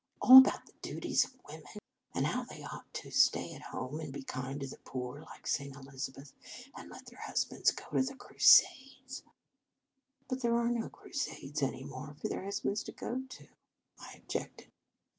"All about the duties of women, and how they 200 Reverend Mother s Feast ought to stay at home and be kind to the poor, like St. Elizabeth, and let their husbands go to the Crusades." "But there are no Crusades any more for their husbands to go to," I objected.